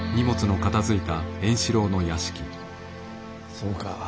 そうか。